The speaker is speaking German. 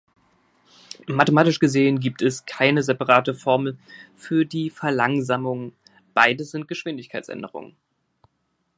Mathematisch gesehen gibt es keine separate Formel für die Verlangsamung: beides sind Geschwindigkeitsänderungen.